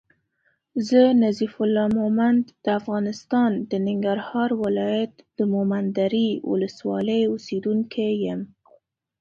زه نظیف الله مومند د افغانستان د ننګرهار ولایت د مومندرې ولسوالی اوسېدونکی یم